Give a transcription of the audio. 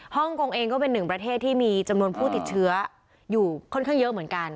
ฮ่องกงเองก็เป็นหนึ่งประเทศที่มีจำนวนผู้ติดเชื้ออยู่ค่อนข้างเยอะเหมือนกัน